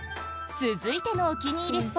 続いてのお気に入り